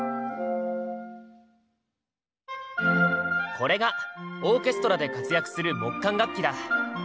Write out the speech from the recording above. これがオーケストラで活躍する木管楽器だ。